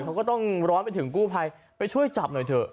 เขาก็ต้องร้อนไปถึงกู้ภัยไปช่วยจับหน่อยเถอะ